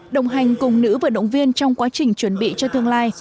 đồng hành cùng nữ vận động viên trong quá trình chuẩn bị cho tương lai